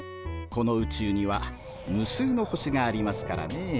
この宇宙には無数の星がありますからねえ。